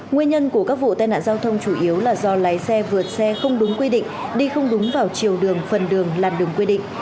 nguyên nhân của các vụ tai nạn giao thông chủ yếu là do lái xe vượt xe không đúng quy định đi không đúng vào chiều đường phần đường làn đường quy định